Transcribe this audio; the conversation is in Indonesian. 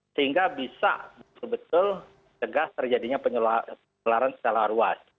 sehingga bisa betul betul tegas terjadinya penularan secara ruas